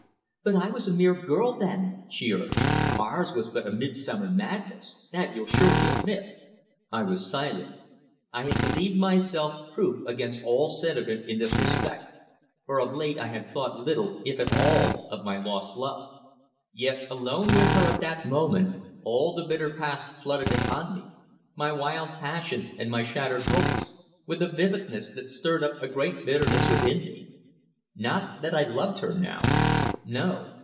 "But I was a mere girl then," she urged. "Ours was but a midsummer madness that you'll surely admit." I was silent. I had believed myself proof against all sentiment in this respect, for of late I had thought little, if at all, of my lost love. Yet alone with her at that moment all the bitter past flooded upon me, my wild passion and my shattered hopes, with a vividness that stirred up a great bitterness within me. Not that I loved her now. No.